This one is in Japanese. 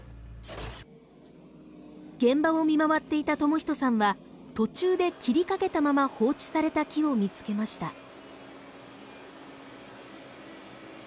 現場を見回っていた智仁さんは途中で切りかけたまま放置された木を見つけました。